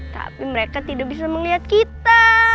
tapi mereka tidak bisa melihat kita